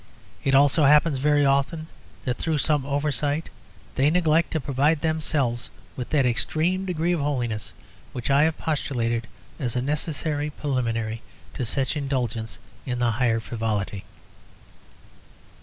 It also happens very often that through some oversight they neglect to provide themselves with that extreme degree of holiness which I have postulated as a necessary preliminary to such indulgence in the higher frivolity.